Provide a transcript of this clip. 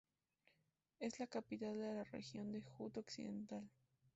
Es la capital de la región de Hod Occidental.